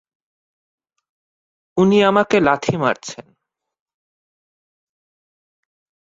উনি আমাকে লাথি মারছেন!